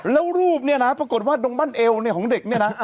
แล้วรูปนี่นะปรากฏว่าดงบ้านเอวของเด็กนี่นะ